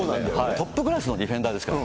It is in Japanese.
トップクラスのディフェンダーですから。